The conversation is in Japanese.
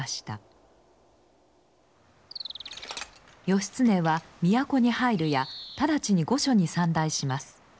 義経は都に入るやただちに御所に参内します。